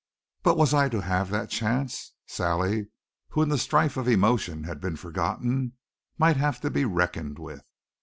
But was I to have that chance? Sally, who in the stife of emotion had been forgotten, might have to be reckoned with.